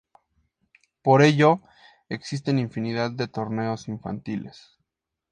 Por ello existen infinidad de torneos infantiles.